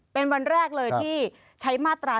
เป็นวันแรกเลยที่ใช้มาตรา๑